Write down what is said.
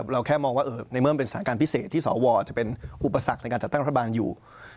เราแค่มองว่าในเมื่อมันเป็นสถานการณ์พิเศษที่สวจะเป็นอุปสรรคในการจัดตั้งรัฐบาลอยู่